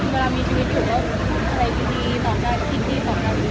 เวลามีชีวิตอยู่อะไรก็ดีตอบได้คิดดีตอบได้ดี